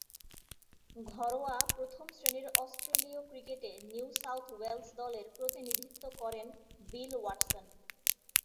ঘরোয়া প্রথম-শ্রেণীর অস্ট্রেলীয় ক্রিকেটে নিউ সাউথ ওয়েলস দলের প্রতিনিধিত্ব করেন বিল ওয়াটসন।